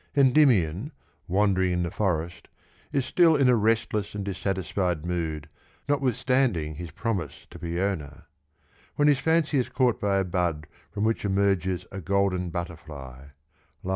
Endymion, wandering in the forest, is still in a restless and dissatisfied mood notwithstanding his promise to Peona, when his fancy is caught by a bud from which emerges a golden butterfly (61).